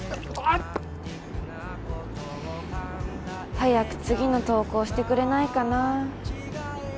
早く次の投稿してくれないかな。